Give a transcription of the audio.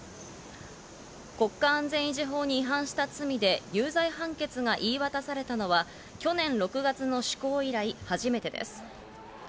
国家安全維持法に違反した罪で有罪判決が言い渡されたのは去年６月の施行以来、初めてです。